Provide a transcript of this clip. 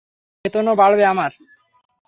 বেতনও বাড়বে আমার।